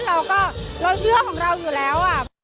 เราก็เราเชื่อของเราอยู่แล้ว